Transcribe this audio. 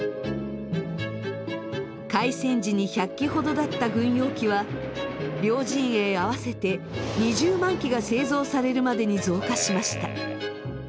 開戦時に１００機ほどだった軍用機は両陣営合わせて２０万機が製造されるまでに増加しました。